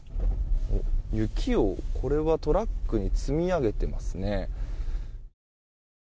雪をトラックに積み上げていますね。